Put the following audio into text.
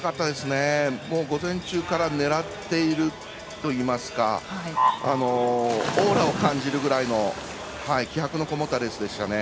もう午前中から狙っているといいますかオーラを感じるくらいの気迫のこもったレースでしたね。